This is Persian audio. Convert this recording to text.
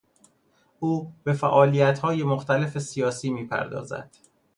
او به فعالیت های مختلف سیاسی می پردازد.